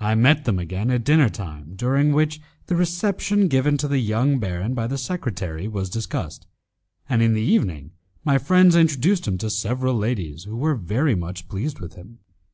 I met them again at dinner time, during which the reception given to the young baron by the secretary was discussed, and in the evening my friends introduced him to several ladies who were much pleased with him.